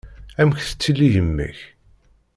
Amek tettili yemma-k?